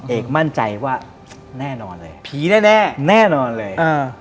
เอกมั่นใจว่าแน่นอนเลยผีแน่แน่นอนเลย